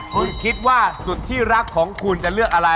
คุณคิดว่าสุดที่รักของคุณจะเลือกอะไร